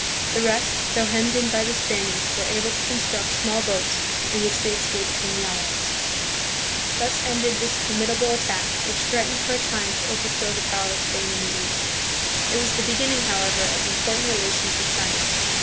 The rest, though hemmed in by the Spaniards, were able to construct small boats, in which they escaped from the islands. CONQUEST AND SETTLEMENT, 1565 1600. 143 Thus ended this formidable attack, which threatened for a time to overthrow the power of Spain hi the East. It was the beginning, however, of important relations with China.